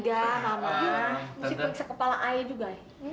tante ini resepnya